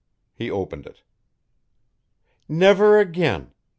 He opened it. "Never again.